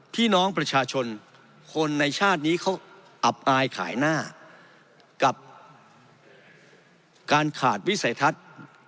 พี่น้องประชาชนคนในชาตินี้เขาอับอายขายหน้ากับการขาดวิสัยทัศน์